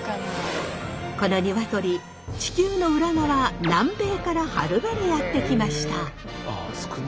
この鶏地球の裏側南米からはるばるやって来ました。